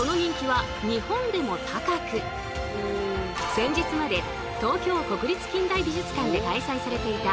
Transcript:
先日まで東京国立近代美術館で開催されていた